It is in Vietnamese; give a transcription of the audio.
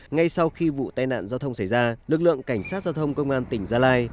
ngay sau khi vụ tai nạn giao thông xảy ra lực lượng cảnh sát giao thông công an tỉnh gia lai